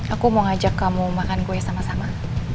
aku mau ngajak kamu makan kue sama sama